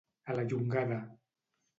A la llongada.